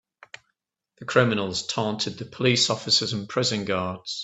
The criminals taunted the police officers and prison guards.